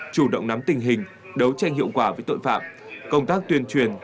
chủ động nắm tình hình đấu tranh hiệu quả với tội phạm công tác tuyên truyền